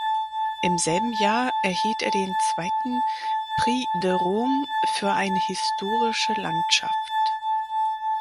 Im selben Jahr erhielt er den zweiten Prix de Rome für eine historische Landschaft.